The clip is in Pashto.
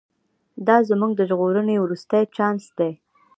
دا زموږ د ژغورنې وروستی چانس دی.